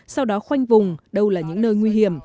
sau đó khoanh vùng đâu là những nơi nguy hiểm